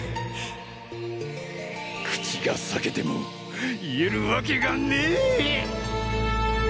口が裂けても言えるワケがねぇ